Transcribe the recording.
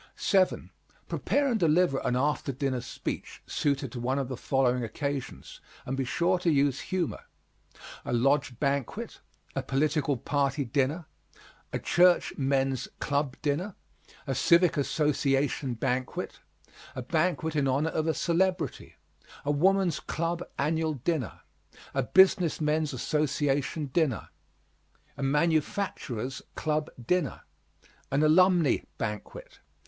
7. Prepare and deliver an after dinner speech suited to one of the following occasions, and be sure to use humor: A lodge banquet. A political party dinner. A church men's club dinner. A civic association banquet. A banquet in honor of a celebrity. A woman's club annual dinner. A business men's association dinner. A manufacturers' club dinner. An alumni banquet.